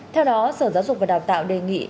theo đó sở giáo dục và đào tạo đề nghị